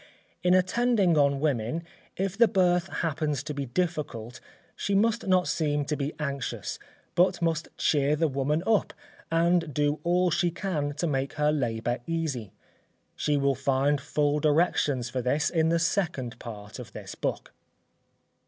In attending on women, if the birth happens to be difficult, she must not seem to be anxious, but must cheer the woman up and do all she can to make her labour easy. She will find full directions for this, in the second part of this book.